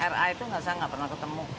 r a itu saya gak pernah ketemu